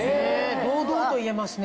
堂々と言えますね。